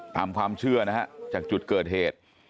ตามความเชื่อนะฮะจากจุดเกิดเหตุ